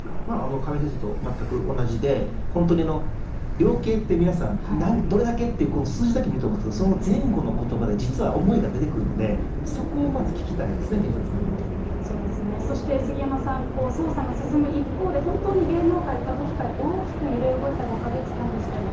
亀井先生と全く同じで、本当に量刑って皆さん、どれだけって数字だけ見てると思うんですけど、その前後のことばで実は思いが出てくるので、そこをまず聞きたいそうですね、そして杉山さん、捜査が進む一方で、本当に芸能界、歌舞伎界、大きく揺れ動いた５か月間でしたよね。